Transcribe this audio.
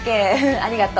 ありがとう。